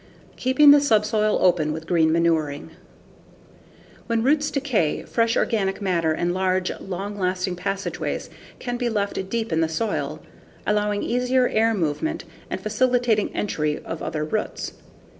Keeping the Subsoil Open with Green Manuring When roots decay, fresh organic matter and large, long lasting passageways can be left deep in the soil, allowing easier air movement and facilitating entry of other roots.